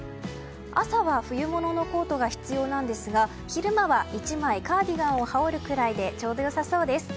朝は冬物のコートが必要なんですが昼間は、１枚カーディガンを羽織るくらいでちょうど良さそうです。